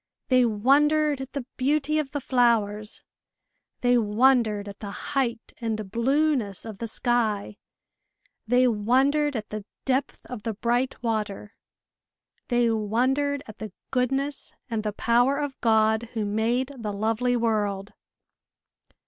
They wondered at the beauty of the flowers; they wondered at the height and blueness of the sky; they wondered at the depth of the bright water; they wondered at the goodness and the power of God who made the lovely world.